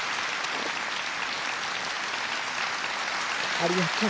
ありがとう。